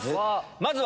まずは。